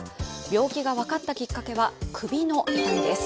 病気が分かったきっかけは首の痛みです。